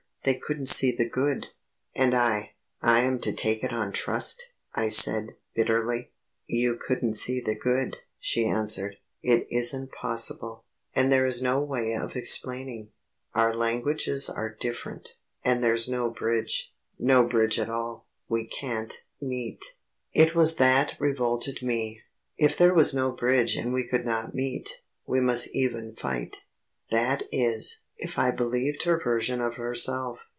They couldn't see the good...." "And I I am to take it on trust," I said, bitterly. "You couldn't see the good," she answered, "it isn't possible, and there is no way of explaining. Our languages are different, and there's no bridge no bridge at all. We can't meet...." It was that revolted me. If there was no bridge and we could not meet, we must even fight; that is, if I believed her version of herself.